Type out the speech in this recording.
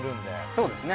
そうですね。